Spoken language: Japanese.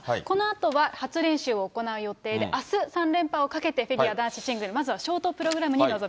このあとは初練習を行う予定で、あす、３連覇をかけてフィギュア男子シングルまずはショートプログラム